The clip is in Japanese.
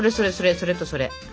それとそれ。